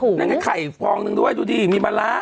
โอ้โฮนั่งไข่ฟองนึงด้วยดูดิมีมะละ